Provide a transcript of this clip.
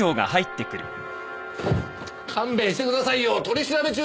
勘弁してくださいよ取り調べ中ですよ！